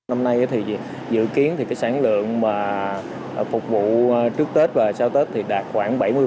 năm nay thì dự kiến thì cái sản lượng mà phục vụ trước tết và sau tết thì đạt khoảng bảy mươi